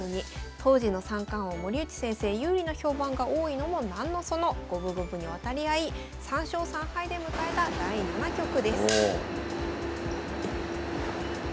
当時の三冠王森内先生有利の評判が多いのも何のその五分五分に渡り合い３勝３敗で迎えた第７局です。